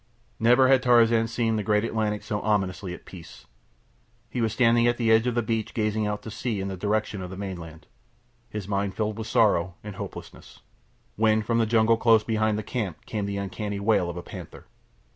Never had Tarzan seen the great Atlantic so ominously at peace. He was standing at the edge of the beach gazing out to sea in the direction of the mainland, his mind filled with sorrow and hopelessness, when from the jungle close behind the camp came the uncanny wail of a panther.